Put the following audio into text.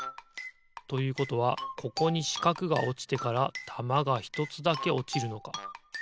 ということはここにしかくがおちてからたまがひとつだけおちるのか。